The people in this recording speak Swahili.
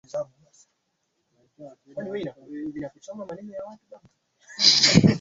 inathirika zaidi na hii kwa sababu kwanza hatuna pesa za kuweza kuwaa